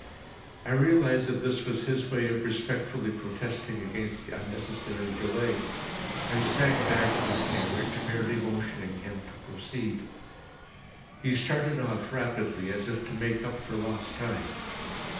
I realised that this was his way of respectfully protesting against the unnecessary delay, and sank back in the carriage, merely motioning him to proceed. He started off rapidly, as if to make up for lost time.